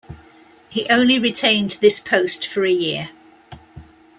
He only retained this post for a year.